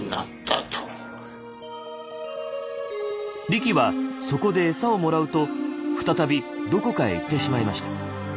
リキはそこで餌をもらうと再びどこかへ行ってしまいました。